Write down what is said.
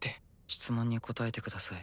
質問に答えてください。